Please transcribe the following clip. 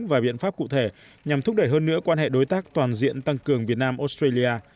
và biện pháp cụ thể nhằm thúc đẩy hơn nữa quan hệ đối tác toàn diện tăng cường việt nam australia